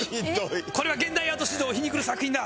これは現代アート市場を皮肉る作品だ。